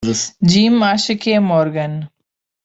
Jim acha que é Morgan.